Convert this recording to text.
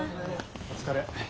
お疲れ。